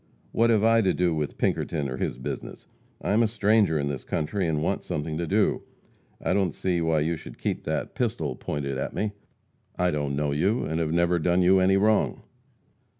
What have I to do with Pinkerton or his business? I am a stranger in the country and want something to do. I don't see why you should keep that pistol pointed at me. I don't know you, and have never done you any wrong."